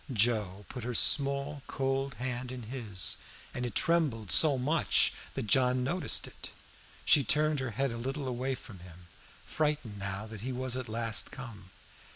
Joe put her small cold hand in his, and it trembled so much that John noticed it. She turned her head a little away from him, frightened now that he was at last come.